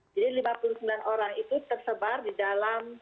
jadi lima puluh sembilan orang itu tersebar di dalam dua belas